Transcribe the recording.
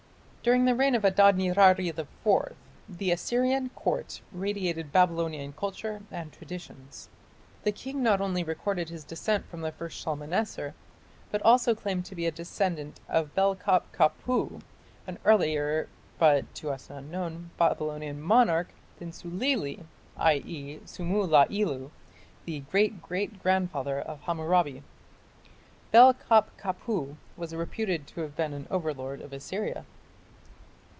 During the reign of Adad nirari IV the Assyrian Court radiated Babylonian culture and traditions. The king not only recorded his descent from the first Shalmaneser, but also claimed to be a descendant of Bel kap kapu, an earlier, but, to us, unknown, Babylonian monarch than "Sulili", i.e. Sumu la ilu, the great great grandfather of Hammurabi. Bel kap kapu was reputed to have been an overlord of Assyria.